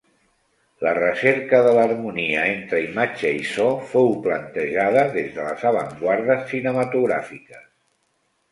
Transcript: La recerca de l'harmonia entre imatge i so fou plantejada des de les avantguardes cinematogràfiques.